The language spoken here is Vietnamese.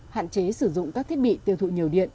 hạn chế sử dụng các thiết bị tiêu thụ nhiều điện